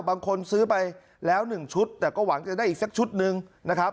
บางคนซื้อไปแล้ว๑ชุดแต่ก็หวังจะได้อีกสักชุดหนึ่งนะครับ